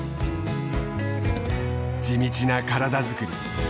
地道な体づくり。